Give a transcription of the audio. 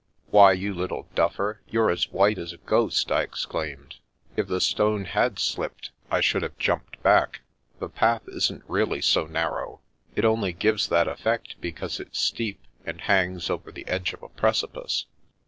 " Why, you little duffer, you're as white as a ghost !" I exclaimed. " If the stone had slipped I should have jumped back. The path isn't really so narrow. It only gives that effect because it's steep, and hangs over the edge of a precipice.